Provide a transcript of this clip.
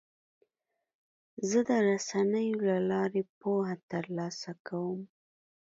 زه د رسنیو له لارې پوهه ترلاسه کوم.